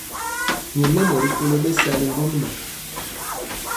Nyɛmemɔ rikolo bɛsali ŋgomnaŋ.